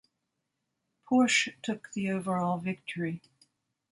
Porsche took the overall victory.